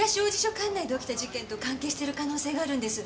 管内で起きた事件と関係してる可能性があるんです。